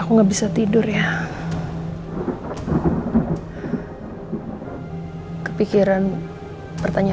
tinggal saya sendirian nih